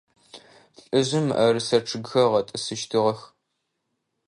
Лӏыжъым мыӏэрысэ чъыгхэр ыгъэтӏысыщтыгъэх.